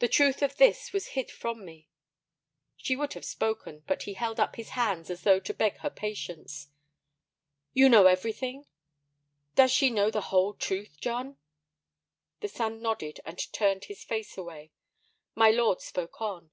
The truth of this was hid from me." She would have spoken, but he held up his hands as though to beg her patience. "You know everything? Does she know the whole truth, John?" The son nodded and turned his face away. My lord spoke on.